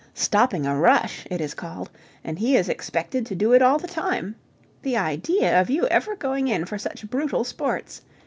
Stopping a rush, it is called, and he is expected to do it all the time. The idea of you ever going in for such brutal sports!